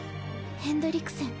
ヘンドリクセン。